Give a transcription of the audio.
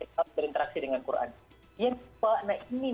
kita harus berinteraksi dengan quran